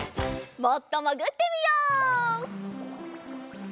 もっともぐってみよう。